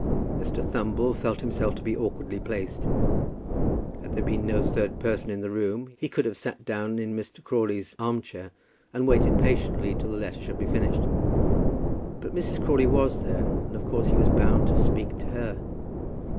Mr. Thumble felt himself to be awkwardly placed. Had there been no third person in the room he could have sat down in Mr. Crawley's arm chair, and waited patiently till the letter should be finished. But Mrs. Crawley was there, and of course he was bound to speak to her.